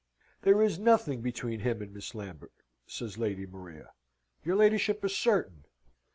"There is nothing between him and Miss Lambert," says Lady Maria. "Your ladyship is certain?"